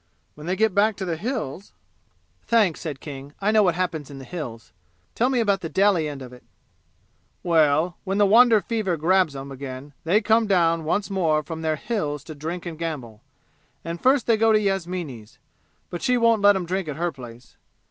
When they get back to the 'Hills' " "Thanks," said King, "I know what happens in the 'Hills. Tell me about the Delhi end of it." "Well, when the wander fever grabs 'em again they come down once more from their 'Hills' to drink and gamble, and first they go to Yasmini's. But she won't let 'em drink at her place.